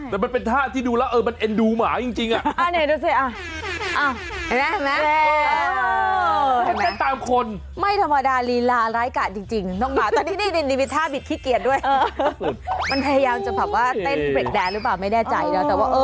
แต่มันเป็นท่าที่ดูแล้วเออมันเอ็นดูหมาจริง